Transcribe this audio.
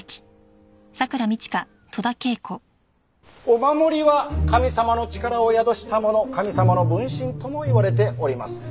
お守りは神様の力を宿したもの神様の分身ともいわれております。